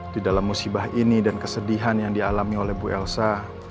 di dalam musibah ini dan kesedihan yang dialami oleh bu elsa